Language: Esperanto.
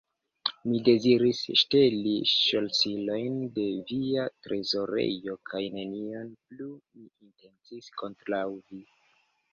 Mi deziris ŝteli ŝlosilojn de via trezorejo kaj nenion plu mi intencis kontraŭ vi!